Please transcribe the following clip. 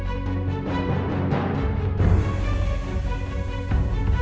aku cuma mau berbicara sama dia